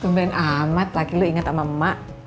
kemben amat lagi lo inget sama emak